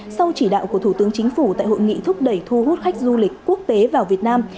sau chỉ đạo của thủ tướng chính phủ tại hội nghị thúc đẩy thu hút khách du lịch quốc tế vào việt nam